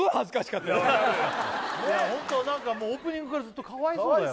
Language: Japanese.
ホント何かオープニングからずっとかわいそうだよ